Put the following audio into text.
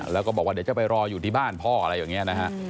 แล้วก็บอกว่าเดี๋ยวจะไปรออยู่ที่บ้านพ่ออะไรอย่างนี้นะฮะ